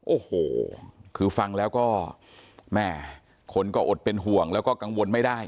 โอ้โหคือฟังแล้วก็แม่คนก็อดเป็นห่วงแล้วก็กังวลไม่ได้